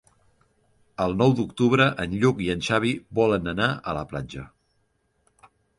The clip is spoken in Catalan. El nou d'octubre en Lluc i en Xavi volen anar a la platja.